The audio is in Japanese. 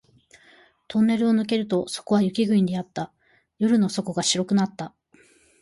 トンネルを抜けるとそこは雪国であった。夜の底が白くなった